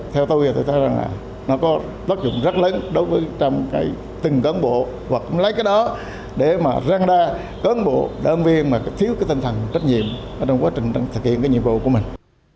theo tôi thì tôi thấy rằng là nó có tác dụng rất lớn đối với trong cái từng cấn bộ hoặc lấy cái đó để mà răng đa cấn bộ đơn viên mà thiếu cái tinh thần trách nhiệm trong quá trình thực hiện cái nhiệm vụ của mình